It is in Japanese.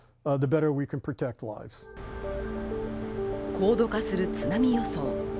高度化する津波予想。